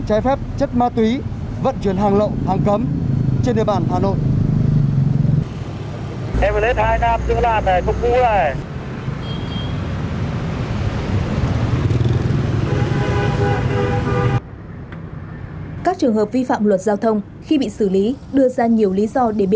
chai phép chất ma túy vận chuyển hàng lộ hàng cấm trên địa bàn hà nội